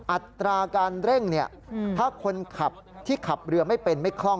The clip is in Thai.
อัตราการเร่งถ้าคนขับที่ขับเรือไม่เป็นไม่คล่อง